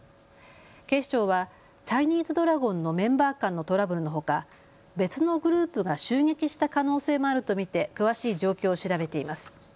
警視庁はチャイニーズドラゴンのメンバー間のトラブルのほか別のグループが襲撃した可能性もあると見て詳しい状況を調べています。